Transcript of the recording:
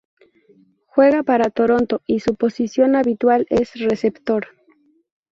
Juega para Toronto y su posición habitual es receptor.